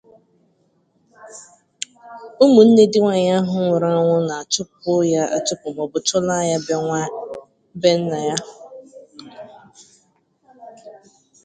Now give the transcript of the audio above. ụmụnne di nwaanyị ahụ nwụrụ anwụ na-achụpụ ya achụpụ maọbụ chụlaa ya be nna